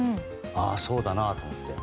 ああ、そうだなと思って。